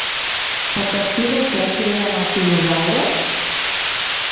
A partir de què creen els dinosaures?